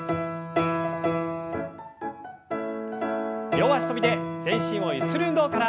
両脚跳びで全身をゆする運動から。